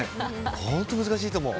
本当難しいと思う。